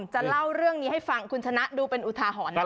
จะเล่าเรื่องนี้ให้ฟังคุณชนะดูเป็นอุทาหรณ์นะครับ